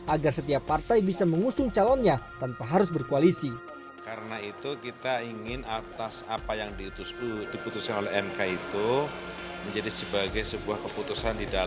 agar setiap partai bisa mengusung calonnya tanpa harus berkoalisi